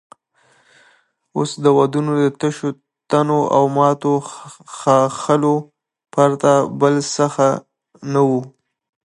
اوس د ونو د تشو تنو او ماتو ښاخلو پرته بل څه نه وو.